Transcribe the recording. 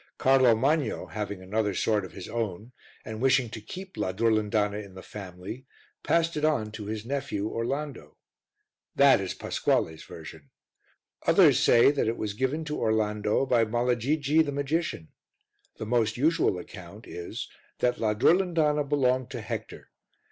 Carlo Magno, having another sword of his own and wishing to keep la Durlindana in the family, passed it on to his nephew Orlando. That is Pasquale's version. Others say that it was given to Orlando by Malagigi the magician. The most usual account is that la Durlindana belonged to Hector.